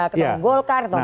ketua umum golkar ketua umum